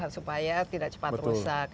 supaya tidak cepat rusak